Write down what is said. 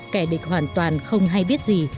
kẻ địch hoàn toàn không hay biết gì